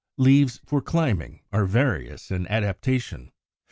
=Leaves for Climbing= are various in adaptation.